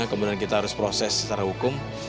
kemudian kita harus proses secara hukum